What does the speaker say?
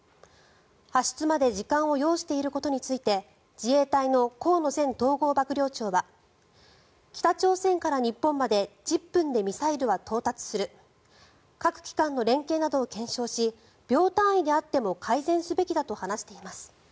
発出まで時間を要していることについて自衛隊の河野前統合幕僚長は北朝鮮から日本まで１０分でミサイルは到達する各機関の連携などを検証し秒単位であっても改善すべきだと話しています。